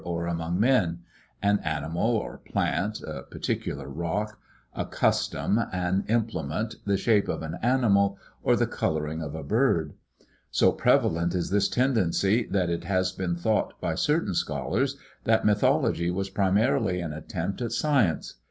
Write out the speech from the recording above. ARCH. ETH. among men an animal or plant, a particular rock, a custom, an implement, the shape of an animal or the coloring of a bird. So prevalent is this tendency that it has been thought by certain scholars that mythology was primarily an attempt at science.